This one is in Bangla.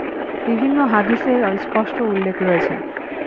বিভিন্ন হাদীসে এর স্পষ্ট উল্লেখ রয়েছে।